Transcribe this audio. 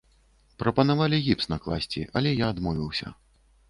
Прапанавалі гіпс накласці, але я адмовіўся.